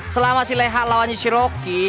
selama si leha lawan si shiroki